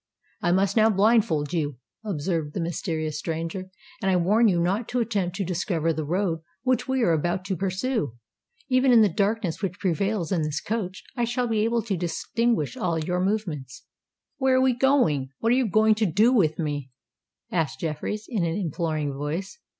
"I must now blindfold you," observed the mysterious stranger; "and I warn you not to attempt to discover the road which we are about to pursue. Even in the darkness which prevails in this coach, I shall be able to distinguish all your movements." "Where are we going?—what are you about to do with me?" asked Jeffreys, in an imploring voice.